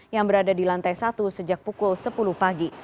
yang berada di lantai satu sejak pukul sepuluh pagi